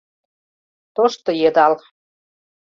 Тошто Йыдал